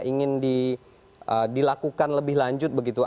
ingin dilakukan lebih lanjut begitu